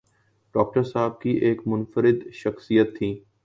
Doctor صاحب کی ایک منفرد شخصیت تھی۔